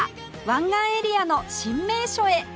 湾岸エリアの新名所へ